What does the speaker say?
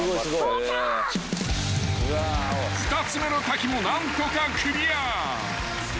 ［２つ目の滝も何とかクリア］